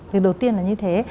việc đầu tiên là như thế